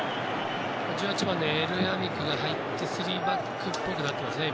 １８番のエルヤミクが入って３バックっぽくなってますね。